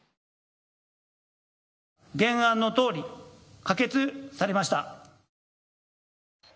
原案のとおり、可決されました。